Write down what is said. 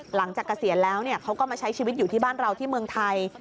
เกษียณแล้วเขาก็มาใช้ชีวิตอยู่ที่บ้านเราที่เมืองไทย